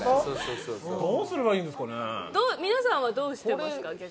皆さんはどうしてますか？